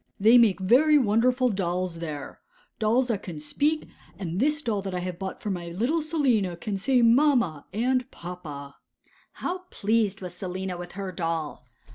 'They make very wonderful dolls there—dolls that can speak; and this doll that I have bought for my little Selina can say "Mamma" and "Papa."' How pleased was Selina with her doll!